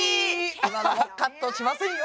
今のはカットしませんよ！